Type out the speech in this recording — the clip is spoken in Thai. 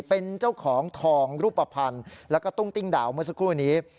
เป็นเจ้าของทองรูปภัณฑ์แล้วก็ตุ้งติ้งดาวเมื่อสักครู่นี้